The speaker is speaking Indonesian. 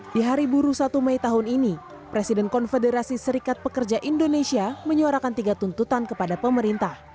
di hari buruh satu mei tahun ini presiden konfederasi serikat pekerja indonesia menyuarakan tiga tuntutan kepada pemerintah